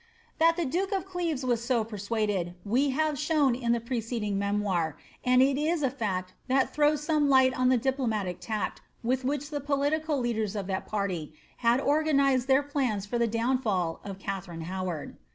That the duke of Cleves was so persuaded, we have shown in the preceding memoir, and it is a &ct that throws some light on the diplo matic tact with which the political leaders of that party had organised their plans for the downfall of Katharine Howard.